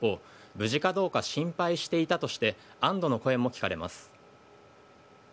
無事かどうか心配していたとして安堵の声も聞かれます。